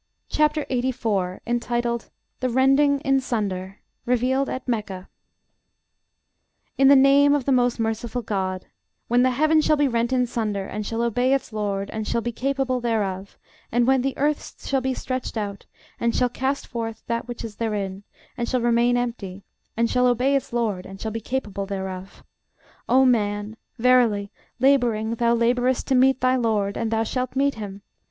CHAPTER LXXXIV.: INTITLED "THE RENDING IN SUNDER." REVEALED AT MECCA In the name of the most merciful GOD. When the heaven shall be rent in sunder, and shall obey its LORD, and shall be capable thereof; and when the earth shall be stretched out, and shall cast forth that which is therein, and shall remain empty, and shall obey its LORD, and shall be capable thereof: O man, verily laboring thou laborest to meet thy LORD, and thou shalt meet him.